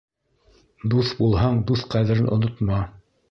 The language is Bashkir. Дуҫ булһаң, дуҫ ҡәҙерен онотма.